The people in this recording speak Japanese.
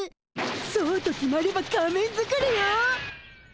そうと決まれば仮面作りよ！